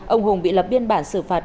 ông hùng bị lập biên bản xử phạt